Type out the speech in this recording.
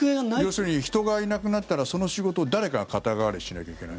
要するに人がいなくなったらその仕事を誰かが肩代わりしなきゃいけない。